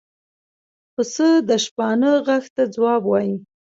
پسه د شپانه غږ ته ځواب وايي.